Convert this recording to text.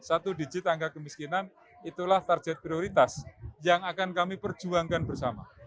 satu digit angka kemiskinan itulah target prioritas yang akan kami perjuangkan bersama